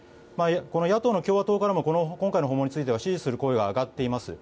野党の共和党からも今回の訪問については支持する声が上がっています。